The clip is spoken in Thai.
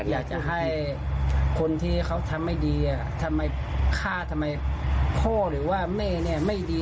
อยากจะให้คนที่เขาทำไม่ดีทำไมฆ่าทำไมพ่อหรือว่าแม่เนี่ยไม่ดี